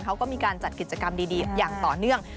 เขาก็มีการจัดกิจกรรมดีอย่างต่อเนื่อง